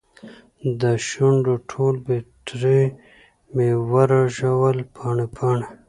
دشونډو ټول پتري مې ورژول پاڼې ، پاڼې